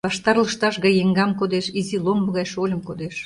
Ваштар лышташ гай еҥгам кодеш, изи ломбо гай шольым кодеш.